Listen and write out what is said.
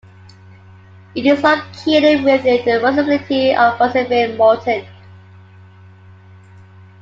It is located within the Municipality of Boissevain - Morton.